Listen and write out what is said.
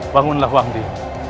bangunlah wang din